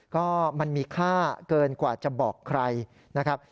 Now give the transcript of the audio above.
ก็มันมีค่าเกินกว่าจะบอกใครนะครับ